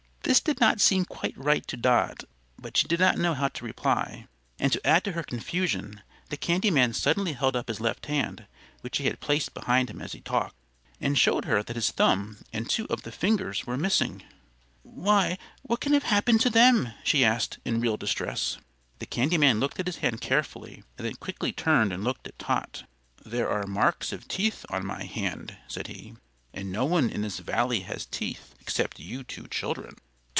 This did not seem quite right to Dot, but she did not know how to reply; and to add to her confusion, the candy man suddenly held up his left hand, which he had placed behind him as he talked, and showed her that his thumb and two of the fingers were missing. "Why, what can have happened to them?" she asked, in real distress. The candy man looked at his hand carefully, and then quickly turned and looked at Tot. "There are marks of teeth on my hand," said he, "and no one in this Valley has teeth except you two children."